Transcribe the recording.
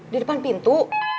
di depan pintu